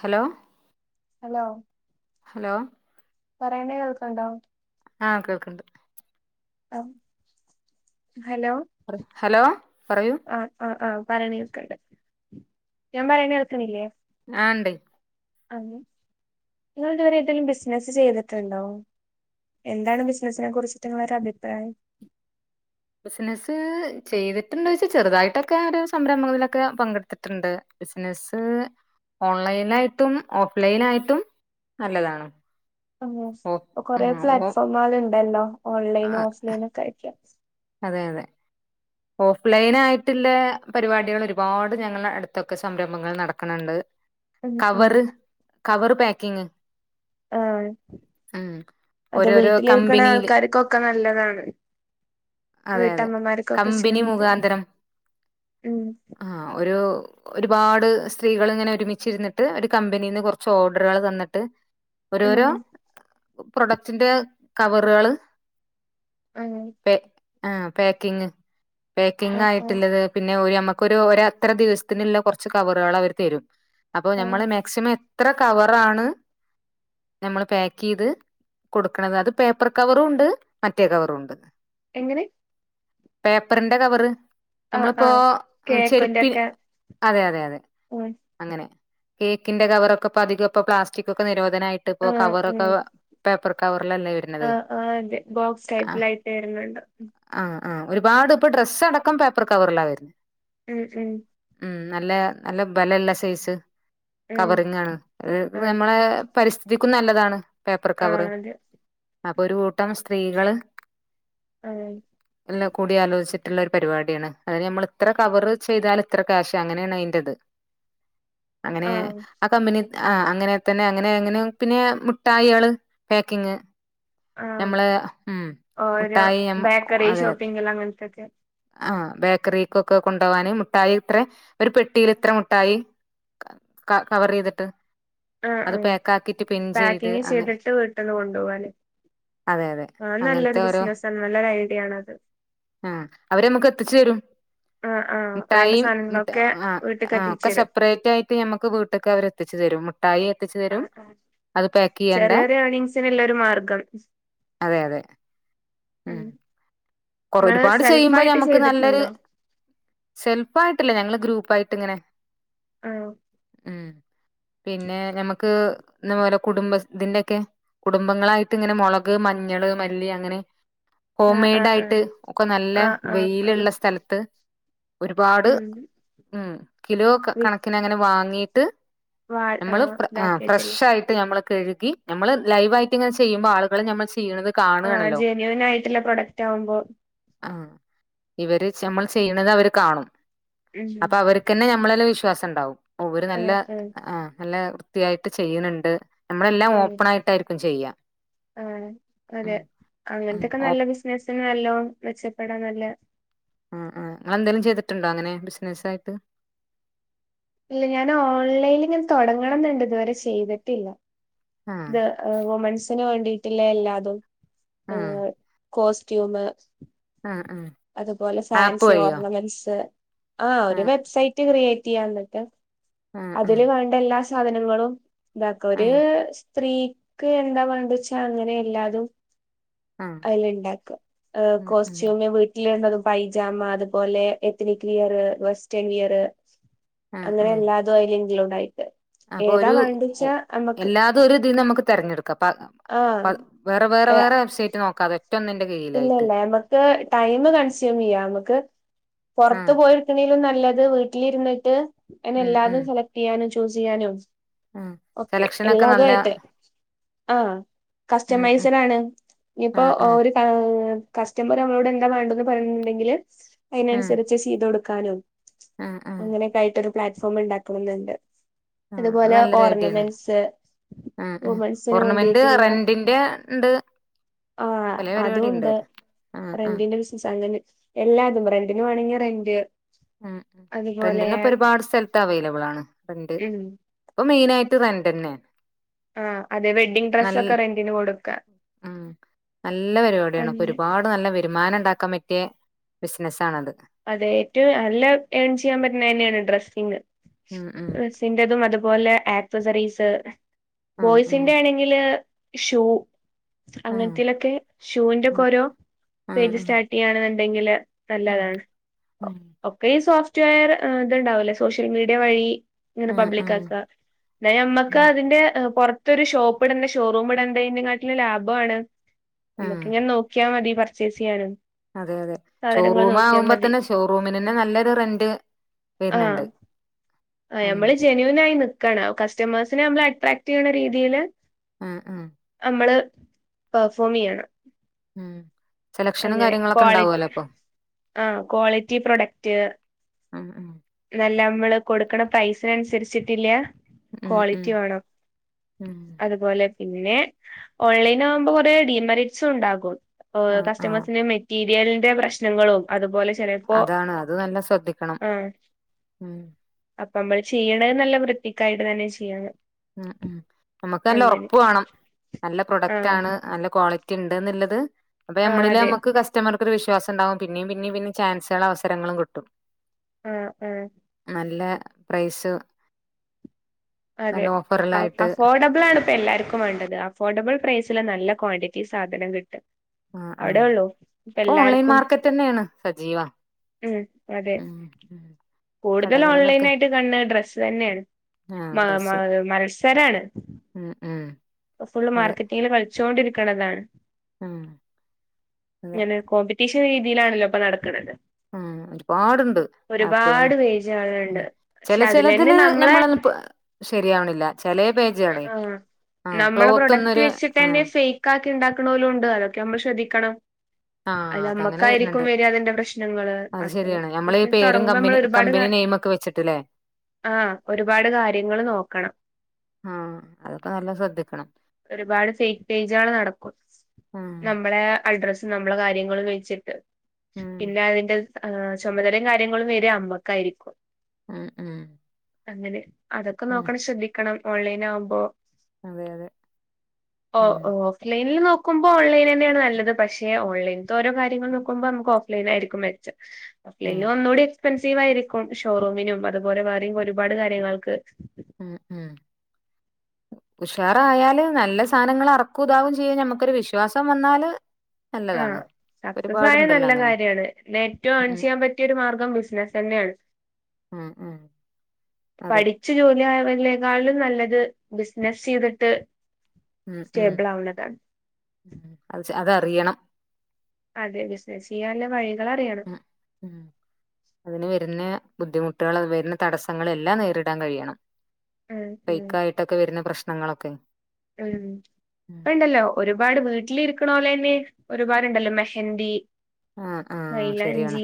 Hello hello പറയണ് കേൾക്ണ്ടോ? ആഹ് കേൾക്ക്‌ണ്ട് അഹ് ഹലോ പറയൂ അ അ ആഹ് പറയണ് കേൾക്ക്‌ണ്ട്. ഞാൻ പറയണ് കേൾക്ക്ണില്ലേ ആഹ് ണ്ട് നിങ്ങള് ഇതുവരെ ഏതെലും ബിസിനസ് ചെയ്തിട്ട്ണ്ടോ? എന്താണ് ബിസിനസിനെ കുറിച്ചിട്ട് ഇങ്ങളൊരു അഭിപ്രായം ബിസിനസ്സ് ചെയ്തിട്ടുണ്ടോച്ചാ ചെറ്തായിട്ടൊക്കെരു സംരംഭങ്ങളിലൊക്കെ പങ്കെട്ത്തിട്ട്ണ്ട്. ബിസിനസ്സ് ഓൺലൈലായിട്ടും ഓഫ്‌ലൈനായിട്ടും നല്ലതാണ്. സ് ഓ പ്പ കൊറേ ഉം ഓ പ്ലാറ്റ്ഫോമുകള്ണ്ടല്ലോ ഓൺലൈൻ ആ ഓഫ്‌ലൈനൊക്കായിട്ട് അതെ അതെ ഓഫ്‌ലൈനായിട്ട്ല്ലെ പരിപാടികള് ഒരുപാട് ഞങ്ങളെ അട്ത്തൊക്കെ സംരംഭങ്ങൾ നടക്ണ് ണ്ട് ഉം ഉം കവറ് കവർ പേക്കിങ്. ആഹ് അത് ഓരോരോ വീട്ടിലിരിക്ക്ണെ കമ്പനിയില് ആൾക്കാർക്കൊക്കെ നല്ലതാണ്. വീട്ടമ്മമാർക്കൊക്കെ മ്പനി ചെയ്യാൻ പറ്റും മുഖാന്തരം ഉം ആഹ് ഒരു ഒരുപാട് സ്ത്രീകൾ ഇങ്ങനെ ഒരുമിച്ചിരുന്നിട്ട് ഒരു കമ്പനിൽ നിന്ന് കുറച്ച് ഓർഡറുകൾ തന്നിട്ട് ഓരോരോ ഉം പ്രൊഡക്ടിന്റെ കവറുകൾ ഉം ആ പാക്കിങ് പേക്കിങ് ആ ആയിട്ടുള്ളത് പിന്നെ [unintelligible] ഒരു ഒരു അത്ര ദിവസത്തിനുള്ള കുറച്ച് കവറുകൾ അവർ തരും അപ്പൊ ആ ഞമ്മള് മാക്സിമം എത്ര കവറാണ് നമ്മൾ പാക്ക് ചെയ്ത് കൊടുക്കണത് അത് പേപ്പർ കവറും ഉണ്ട് മറ്റേ കവറും ഉണ്ട് എങ്ങനെ പേപ്പറിന്റെ കവറ് ആ ആ നമ്മളിപ്പോ കേക്കിന്റെ ചെരുപ്പി ഒക്കെ അതേ അതേ അങ്ങനെ കേക്കിന്റെകവറോക്കെ ഇപ്പം അധികം പ്ലാസ്റ്റിക് ഒക്കെ നിരോധി അതിനായിട്ട് ഇപ്പോ ആ ആ കവറൊക്കെ ഉം [inaudible] [unintelligible] വരുന്നത് ആഹ് ആഹ് അതെ ബോക്സ് ടൈപ്പിലൈറ്റ് വരുന്നുണ്ട്. ആഹ് ആഹ് ഒരുപാട് ഇപ്പൊ ഡ്രസ്സ് അടക്കം പേപ്പർ കവറിലാ വരുനേ - ഉം ഉം ഉം നല്ല നല്ല ബലല്ല സൈസ് ഉം കവറിങ് ആണ് [unintelligible] ആഹ് നമ്മളെ പരിസ്ഥിതിക്കും നല്ലതാണ്. പേപ്പർ ആഹ് കവറെ അതെ - അപ്പൊ ഒരു കൂട്ടം സ്ത്രീകള് അഹ് എല്ല കൂടി ആലോചിച്ചിട്ടു ഒരു പരിപാടിയാണ്. അതിന് നമ്മൾ ഇത്ര കവർ ചെയ്താൽ ഇത്ര ക്യാഷ് അങ്ങനെയാണ് അതിന്റേത് അങ്ങനെ ആഹ് ആ കമ്പനി ആ അങ്ങനെ തന്നെ അങ്ങനെ അങ്ങനെ പിന്നെ മുഠായികളു പാക്കിങ് ആഹ് നമ്മള് ഉം മുട്ടായി [unintelligible] ക്കറിഷോപ്പിംഗ് എല്ലാം മ [unintelligible] ത്തത് ആഹ് ബേക്കറിക്കൊക്കെ കൊണ്ടുപോകാന് മുട്ടായി ഇത്ര ഒരു പെട്ടിൽ ഇത്ര മുട്ടായി കവർ ചെയ്തിട്ട് ആഹ് അത് ആഹ് പാക്ക് ആക്കിട്ട് പിൻ ചെയ്ത് പാക്കിങ് അങ്ങനെ ചെയ്തിട്ട് വീട്ടീന്ന് കൊണ്ടുപോവല്ലെ അതെ അതെ ആഹ് അങ്ങനത്തെ നല്ലൊരു ബിസിനസാണ് നല്ലെ എവിടെ ആണത് ആ അവരെ നമുക്ക് എത്തിച്ചു തരും ആഹ് ആഹ് വേണ്ട മിഠായും സാധനങ്ങളൊക്കെ ആഹ് വീട്ട്ക്ക് ആഹ് ഒക്കെ എത്തിച്ചരും സെപ്പറേറ്റ് ആയിട്ട് ഞമ്മക്ക് വീട്ടക്കെ അവര് എത്തിച്ച് തരും മുട്ടായി എത്തിച്ചു ആ തരും അത് പാക്ക് ചെയ്യേണ്ട ചെറിയറിയ എർണിങ്സ് ഇല്ല ഒരു മാർഗം അതെ ഉം കുറ നിങ്ങള് ഒരുപാട് ചെയ്യുപ്പോൾ സെൽഫായിട്ട് ഞമ്മുക്ക് നല്ലൊരു ചെയ്തിട്ടുണ്ടോ സെൽഫ് ആയിട്ടില്ല ഞങ്ങള് ഗ്രൂപ്പായിട്ട് ഇങ്ങനെ ആഹ് ഉം പിന്നെ ഞമുക്ക് ഇതുപോലെ കുടുംബ ഇതിന്റക്കെ കുടുംബങ്ങളായിട്ട് ഇങ്ങനെ മുളക് മഞ്ഞള് മല്ലി അങ്ങനെ ഹോം ആഹ് മെയ്ഡ് ആഹ് ആയി ആഹ് ട്ട് ഒക്കെ നല്ല ആഹ് ആഹ് ആഹ് വെയിലുള്ള സ്ഥലത്ത് ഒരുപാട് ഉം ഉ കിലോ വി കണക്കിന് അങ്ങനെ വാങ്ങി ട്ട് വാ നമ്മള് ആഹ് ഫ്ര അ ഇതാക്കിയിട്ടില്ലേ ഫ്രഷായിട്ട് ഞമ്മള് കഴുകി നമ്മള് ലൈവായിട്ട് ഇങ്ങനെ ചെയ്യുമ്പോ ആളുകള് നമ്മള്ച്ച് ആ ജെന്യുവിൻ ആയിട്ടുള്ള പ്രൊഡക്റ്റ് ആവുമ്പോ ആ ഇവര്ച്ചാ നമ്മൾ ചെയ്യണത് അവര് കാണും ഉം അപ്പ അവര്ക്കന്നെ ഞമ്മളെലെ വിഷ് ശ്വാസം ഉണ്ടാവും. ഓര് നല്ല ആഹ് ആഹ് ആഹ്‌ നല്ല ത്തിയായിട്ട് ചെയ്യ്ണ് ണ്ട് നമ്മളെല്ലാം ഓപ്പൺ ആയിട്ടായിരിക്കും ചെയ്യാ. ആണ്. അതെ ഉം ഉം അങ്ങനത്തൊക്കെ ഓപ്പ നല്ല ബിസ്നസ് നല്ലോം മെച്ചപ്പെടാൻ നല്ല ആ ആഹ് നിങ്ങളെന്തെലും ചെയ്തിട്ട്ണ്ടോ അങ്ങനെ ബിസിനസ്സായിട്ട്? ഇല്ല അഞാൻ ഓൺലൈനിൽ ഇങ്ങനെ തൊടങ്ങണംന്നുണ്ട്. ഇതുവരെ ചെയ്തിട്ടില്ല. ആഹ് ഇത് ഏഹ് വുമൺസിന് വേണ്ടി ട്ടില്ല എല്ലാതും ആഹ് ഏഹ് കോസ്റ്റ്യൂമ് ആഹ് ആഹ് അതുപോലെ ആപ്പ് ഫാൻസി വഴിയോ ഓർണമെൻസ്, ആ ഒരു ആഹ് വെബ്സൈറ്റ് ക്രിയേ റ്റിയാ ഇന്നട്ട് ആഹ് ആഹ് അതില് വേണ്ട എല്ലാ സാധനങ്ങളും ഇതാക്ക ഒര് ആഹ് സ്ത്രീക്ക് എന്താ വേണ്ട്ച്ചാ അങ്ങനെ എല്ലാതും ആഹ് അയ്‌ലിണ്ടാക്ക ഏഹ് ഉം ഉം കോസ്റ്റ്യൂമ് വീട്ട ള്ളതും പൈജാമ അതുപോലെ എത്നിക് വിയർ വെസ്റ്റേൺ വിയർ ഇ ആഹ് അങ്ങനെ ആഹ് എല്ലാതും അയ്ല് ഇൻക്ലൂഡ് ആയിട്ട് അപ്പൊ ഏതാ ഒരു വേണ്ടിച്ചാ നമ്മക്ക് എല്ലാതൊരിതിന്നമ്മക് തെരഞ്ഞെടു ക്ക പർ ആഹ് പർ വേറെ വേറെ വേറെ വെബ്സൈറ്റ് നോക്കാതെ ഒറ്റ ഒന്നിന്റെ ഇല്ല കീഴിലായിട്ട് ഇല്ല നമക്ക് ടൈം കൺസ്യൂം ചെയ്യാം നമുക്ക് പുറത്ത് ആഹ് പോയി എടുക്കണേലും നല്ല ന്നല്ലത് വീട്ടിലിരുന്നിട്ട് എന്നെ ഉം ഉം എല്ലാതും സെലക്റ്റെയ്യാന് ചൂസ് ചെയ്യാനും ആഹ് ഒക്കെ സെലക്ഷനൊക്കെ നല്ല എല്ലാതുആയിട്ട് ആ ഉം ഉം കസ്റ്റമൈസ്ടാണ് ഇപ്പോ ആഹ് ആഹ് ഓരോ ഏഹ് കസ്റ്റമറ് നമ്മളോട് എന്താ വേണ്ടന്ന് പറയുന്നുണ്ടെങ്കില് ആഹ് അയ്നനുസരിച്ച് ചെയ്തൊട് കാനും ആഹ് ആഹ് അങ്ങനെയൊക്കെ ആയിട്ടൊരു പ്ലാറ്റ്ഫോം ഇണ്ടാക്കണന്നുണ്ട് ആഹ് അത് അതുപോലെ നല്ലൊരു ഐഡിയാണ് ഓർണമെന്റ്സ് ആഹ് ആഹ് വുമൻസിന് ഓർണമെന്റ് വേണ്ടിയിട്ടുള്ള റെന്റിന്റെ ഇണ്ട് ആ പലേ പരിപാടി ഇണ്ട് അതൊണ്ട് ആഹ് ആഹ് റെന്റിന്റെ ബിസിനസ് അങ്ങെനെ എല്ലാതും റെ അതിന് വേണമെങ്കിൽ റെന്റ് ഉം അതുപോലെ റെന്റിനപ്പ ഒരുപാട് സ്ഥലത്ത് അവൈലബിൾ ആണ് റെന്റ് ഉം ഇപ്പൊ മെയിനയിട്ട് റെന്റന്നെ ആ അതെ വെഡ്ഡിംഗ് നൽ ഡ്രസ്സ് ഒക്കെ റെന്റിന് കൊടുക്ക ഉം നല്ല പരിപാടിയാണ് ഇപ്പൊ അങ്ങനെ ഒരുപാട് നല്ല വരുമാനം ഉണ്ടാക്കാൻ പറ്റിയ ബിസിനസ് ആണത് അതെ ഏറ്റവും നല്ല ൺ ചെയ്യാൻ പറ്റുന്ന തന്നെയാണ് ഡ്രസ്സിങ്ങ് ഉം ഉം ഡ്രെസ്ന്റേതും അത് പോലെ ആക്‌സാസറീസ് ആഹ് ആഹ് ബോയ്സിന്റെ ആണെങ്കില് ഷൂ ആഹ് അങ്ങനത്തെലെക്കെ ഷൂവിന്റെ ഒക്കെ ഓരോ ആഹ് പേജ് ആഹ് സ്റ്റാർട്ട് ചെയ്യാണ് വെ ഉണ്ടെങ്കിൽ നല്ലതാണ് ആഹ് ഉം ഈ സോഫ്റ്റ്വെയർ ആഹ് ഇതുണ്ടാവല്ലേ സോഷ്യൽ മീഡിയ വഴി ഇങ്ങനെ ആഹ് പബ്ലിക് ആഹ് ആക്ക ന്നെ അമ്മക്ക് ഉം അതിന്റെ ങ് പൊർ ത്തൊരു ഷോപ്പ് ഇടണ്ട ഷോറൂം ഇടണ്ടയിന്റെ കാട്ടിലില് ലാഭാണ് ആഹ് നമക്ക് ഇങ്ങനെ നോക്കിയാ മതി പർച്ചേസെയ്യാനും അതെ അതെ ഷോറൂം ആകുമ്പോ തന്നെ ഷോറൂമിന തന്നെ നല്ലൊരു റെന്റ് വര്ണ്ണ്ട് ആ നമ്മള് ജെനുവിൻ ആയി നക്കണ ക കസ്റ്റമേഴ്സിനെ നമ്മ അട്രക്ടെയ്യുന്ന രീതിയില് ആഹ് ആഹ് നമ്മള് പെർഫോം ചെയ്യണം ഉം സെലക്ഷനും അങ്ങനെ കാര്യങ്ങളൊക്കെ ക്വാളി ഉണ്ടാവുമല്ലോ അപ്പൊ ആ ക്വാളിറ്റി പ്രൊഡക്റ്റ്- ആ ഉ ല്ല നമ്മള് കൊടുക്കണ പൈസിന അനുസരിച്ചിട്ടില്ല- ഉം ഉം ക്വാളിറ്റി വേണം ഉം അതുപോലെ- പിന്നെ ഓൺലൈനാകുമ്പോ കൊറെേ ഡീമെറിറ്റ്സും ഉണ്ടാകും ഓ ആഹ് ആഹ് കസ്റ്റമഴ്സിനെ മെറ്റി- [unintelligible] പ്രശ്നങ്ങളും അതുപോലെ- ചിലപ്പോ അതാണ് അത് നല്ല ശ്രദ്ധിക്കണം ഉം അപ്പ നമ്മൾ ചെയ്യണ നല്ല വൃത്തിക്കായിട്ട് തന്നെ ചെയ്യാണ് ഉം ഉം നമുക്ക് നല്ല ഉറപ്പ് വേണം നല്ല പ്രൊഡക്റ്റ് ആഹ് ആണ് നല്ല ക്വാളി- ണ്ട്ന്നുള്ളത്- അപ്പൊ ആഹ് നമ്മളില് അതെ നമുക്ക് കസ്റ്റമർക്ക ഒരു വിശ്വാ- വിശ്വാസം ഉണ്ടാവും പിന്നെയും പിന്നെയ പിന്നെ ചാൻസുകള അവസരങ്ങളും കിട്ടും ആഹ ആഹ നല്ല പ്രൈസ്- അതെ നല്ല ഓഫറിലായിട്ട് അഫോർഡബിൾ ആണ്- ഇ എല്ലാർക്കും വേണ്ടത് അഫോർഡബിൾ പ്രൈസില് നല്ല ക്വാണ്ടിറ്റി സാധനം കിട്ടും ആ ആ അവിടെ ഉള്ളൂ ഇപ്പ ഇപ്പൊ ഓൺലൈൻ എല്ലാർക്കുംഉം മാർക്കറ്റ് തന്നെയാണ് സജീവ അതെ ഉം ഉം കൂടുതൽ ഓൺലൈന കടകളിലൊക്കെ ആയിട്ട് ക ഡ്ര- അത് തന്നെയാണ് ആ മ മ ഡ്രസ്സ് മത്സരാണ് ഉം ഉം ഫുള് അതെ മാർക്കറ്റിങ്ങില് കളിച്ചോൊണ്ടിരിക് ക്കണതാണ് ഉം അതെ [unintelligible] രീതിയിലാണല്ലോപ്പൊ നടക്കണത് ഉ ഒരുപാടുണ്ട് ആപ്പുകള് ഒരുപാട് ഉ പേജുകളുണ്ട് പക്ഷെ ചില ചിലതിൽ അതിലന്നെ നമ്മളെ ഞമ്മളൊന്നുപ്പ് ശരിയാവണില്ല ചില പേജുകളെ ആഹ് ആ നമ്മളെ ക്ലോത്ത് പ്രൊഡക്റ്റ് ഒന്നൊരു വെച്ചിട്ട് ആ തന്നെ ഫേക്ക് ആക്കി ഉണ്ടാക്കണലു ഉണ്ട് അത- നമ്മൾ ശ്രദ്ധിക്കണം ആഹ് അത് അതങ്ങനെ നമ്മക്കായിരിക്കും വരുന്നുണ്ട് വരിയാ അതിന്റെ പ്രശ്നങ്ങള് അത് അപ്പൊ ശരിയാണ് നമ്മള് ഈ ബിസിനസ് പേരും തുടങ്ങുമ്പോ നമ്മൾ കമ്പനി ഒരുപാട് കമ്പനി നെയിമൊക്കെ വെച്ചിട്ട്ല്ലേ ആഹ ഒരുപാട് കാര്യങ്ങൾ നോക്കണം ആഹ് അതൊക്കെ നല്ല ശ്രദ്ധിക്കണം ഒരുപാട് ഫേക്ക് പേജുകള് നടക്കും ആഹ് നമ്മുടെ അഡ്രസ- നമ്മളെ കാര്യങ്ങളൾ വെിച്ചിട്ട് ഉം പിന്നെ അതിന്റെ ആ ചുമതലയും കാര്യങ്ങളും വെര അമ്മക്കായിരിക്കും ഉം ഉം അങ്ങനെ അതൊക്കെ ഉം നോക്കണം ശ്രദ്ധിക്കണം ഓൺലൈൻ ആകുമ്പോ അതെ അതെ ഓ ഉം ഓ ഓഫ് ലൈനില്നോ നോക്കുമ്പോ ഓൺലൈൻ നെന്നെണ് നല്ലത് പക്ഷെ ഓൺലൈൻ തെ ഓരോകാര്യങ്ങൾ നോക്കുമ്പോ നമുക്ക് ഓഫ്‌ലൈനായിരിക്കും മെച്ചം. ഓഫ് ലൈൻ ഉം ഒന്നൂടി എക്സ്പെൻസീവ് ആയിരിക്കും ഷോറൂമിനും അതുപോലെ വേറിം ഒരുപാട് കാര്യങ്ങൾക്ക് ഉം ഉം ഉഷാറായാല് നല്ല സാധനങ്ങൾ അറക്കൂതാവും ചെയ്യാ നമ്മുക്കൊരു വിശ്വാസം വന്നാല് ആഹ് നല്ലതാണ് സക്സസായ ഒരുപാടുണ്ടല്ലോ നല്ല അങ്ങനെ കാര്യാണ് നെറ്റ് ഒൺ ഉം ചെയ്യാൻ പറ്റിയൊരു മാർഗം ബിസിന തന്നെണ്. ഉം ഉം അതെ പഠിച്ച് ജോല്യായ ഇലേക്കാളിലും നല്ലത് ബിസിനസെയ്തിട്ട് ഉം ഉം ഉം അഅ് ശെ അതറിയണം. അതെ ബിസിനസ് ചെയാൻ ലെ വഴി ഉം ഉം അതിന് വര്ന്നെ ബുദ്ധിമുട്ടുകൾ വര്ന്നെ തടസ്സങ്ങള് എല്ലാം നേരിടാൻ കഴിയണം. ഉം ഉം ഫെയ്ക്കായിട്ടൊക്കെ വര്ന്ന പ്രശ് ഞങ്ങളൊക്കെ ഉം അഅ് ണ്ടല്ലോ ഒരുപാട് വീട്ടിലിരിക്ക്ണോലെന്നെ ഒരുപാട്ണ്ടല്ലോ മെഹന്ദി ആഹ് ആഹ് ശെരിയാണ്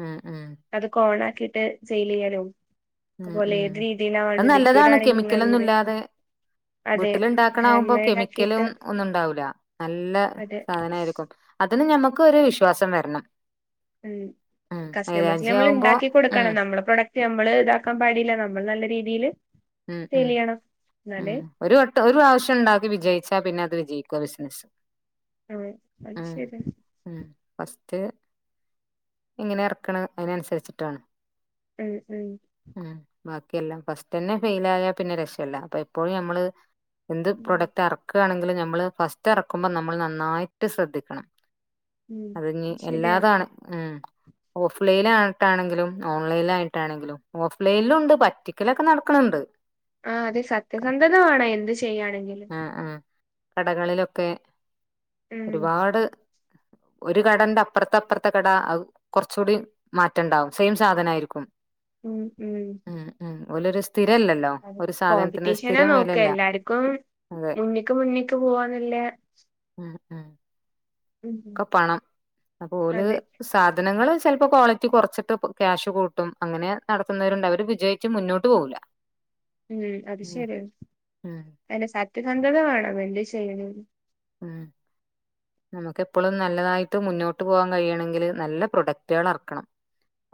ഉം ഉം ക്കിട്ട് സെയിലെയ്യാലൊ. ഉം ഉം അത് നല്ലതാണ് ആണെങ്കിൽ കെമിക്കലൊന്നും അങ്ങനെ ഇല്ലാതെ അതെ വീട്ടിലുണ്ടാ ഹാൻഡ് അങ്ങനാകുമ്പം മെയ്ഡ് കെമിക്കലും ആക്കിയിട്ട് ഒന്നും ഉണ്ടാവില്ല നല്ല അതെ സാധനം ആയിരിക്കും അത് അതിന് ഞമ്മക്ക് ഒരു വിശ്വാസം വരണം- ഉം ഉം കസ്റ്റമേഴ്സ് മൈലാഞ്ചി ആവുമ്പോ നമ്മൾഉണ്ടാക്കി ഉം കൊടുക്കണം നമ്മളെ പ്രൊഡക്ട്- ട് നമ്മള് ഇതാക്കാൻ പാടില്ല നമ്മൾ നല്ല രീതിയിയില്- ഉം ഉം ഉം ഒരു വട്ട ഒരു പ്രാവശ്യം ഉണ്ടാക്കി വിജയിച്ചാ പിന്നെ അത് വിജയി ക്കും ബിസ്സ്നസ്- ഉം അത് ശരിയാണ്- അത് എങ്ങനെ ഇറക്കണം അതിനനുസരിച്ചിട്ടാണ്- ഉം ഉം ഉം ബാക്കിയെല്ലാം ഫസ്റ്റന്നെ ഫെയിൽ ആയൽ പിന്നെ രക്ഷയില്ല പലപ്പോയും നമ്മള് എന്ത് ഉം പ്രോഡക്റ്റ് അറക്കണ നമ്മള് ഫസ്റ്റ് ഇറക്കുമ്പോ നമ്മാ നന്നായിട്ട് ശ്രദ്ധിക്കണം ഉം അതെഞ്ഞി അത് ശരിയാണ് എല്ലാതാണ് ഉം ഓഫ് ലൈനാട്ടാണെങ്കിലും ഓൺലൈൻ ലായിട്ടാണെങ്കിലും ഓഫ് ലൈൻലും ഒണ്ട് പറ്റിക്കലൊക്കെ നടക്ക് ക്കണ് ണ്ട് ആഹ് അതെ സത്യസന്ധത വാണ [unintelligible] എന്ത് ശ് ചെയ്യാണെങ്കിലും ആഹ് ആഹ് കടകളിലൊക്കെ ഉം ഒരുപാട് ഒരു കടന്റെ അപ്രത്ത അപ്രത്ത കട അഹ് കൊറ്ച്ചൂടി മാറ്റണ്ടാവും. സെയിം സാധനായിരിക്കും. ഉം ഉം ഒലരസ് ത്തിരല്ലല്ലോ അതെ ഒരു സാധനത്തിന് സ്ഥിരം വെലല്ല മുന്നിക്ക് മുന്നിക്ക് പോവാന്ന്ല്ലേ ഉം ഉം ഒക്കെ പണം അപ്പോല് അതെ സാധനങ്ങള് ചെൽപ്പോ ക്വാളിറ്റി കൊറച്ചിട്ട് ക്യാഷ് കൂട്ടും അങ്ങനെ നടത്തുന്നവരുണ്ട് അവര് വിജയിച്ച് മുന്നോട്ട് പോവുല ഉം അത് ശെര്യാണ് ഉം അയ്നെ സാറ്റ് രണ്ട [unintelligible] വാണം എന്തേ ചെയ്യ്ണ് ഉം നമക്ക് എപ്പളും നല്ലതായിട്ട് മുന്നോട്ട് പോആൻ കഴിയണെങ്കില് നല്ല പ്രൊഡക്റ്റേൾ എറക്കണം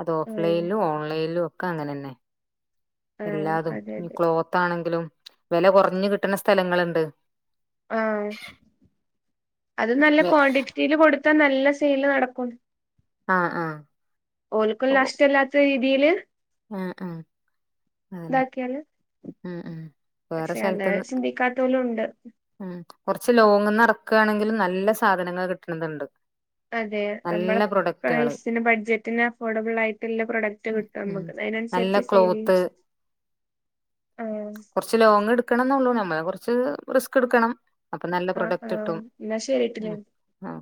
അത് ഓഫ് ഉം ലൈൻലും ഓൺലൈൻലും ഒക് ഒക്ക അങ്ങനെന്നെ ആഹ് എല്ലാതും അതെ ഇനി അതെ ക്ലോത്ത് ആണെങ്കിലും വെല കൊറഞ് കിട്ട്ണ സ്ഥലങ്ങള്ണ്ട് ആഹ് അത് നല്ല ക്വാണ്ടിറ്റില് കൊടുത്താ നല്ല സെയില് നടക്കും ആഹ് ആഹ് ഓല്ക്കും ലാസ്റ്റ് അല്ലാത്ത ഈ തീല് ആഹ് ആഹ് അതന്നെ ദാക്കിയാല് ഉം ഉം വേറെ പക്ഷെ അങ്ങനെ സ്ഥലത്ത്ന്ന് ചിന്തിക്കാത്തോലും ഉണ്ട് ഉം കൊറച്ച് ലോങ്ങുന്നെ റക്കാണെങ്കിലും നല്ല സാധനങ്ങള് കിട്ടണത്ണ്ട് അതെ ഞമ്മള പ്രൈസിന് ബഡ്ജറ്റിന് അഫോർഡബിൾ ആയിട്ടുള്ള പ്രൊഡക്റ്റ് ഉം കിട്ടും ഉം നമ്മക്ക് അയ്‌നൻസരിച്ച് സെയ് ലെയ്യും കൊറച്ചു ലോങ് എടുക്കണംന്നൊള്ളൂ ന മ്മള് കൊർച്ച് റിസ്ക് എടുക്കണം അപ്പൊ നല്ല ആ പ്രൊഡക്റ്റ് ആഹ് കിട്ടും എന്നാ ശരിട്ടില്ലേ ഉം ആഹ്